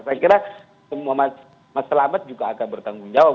saya kira mas selamet juga akan bertanggung jawab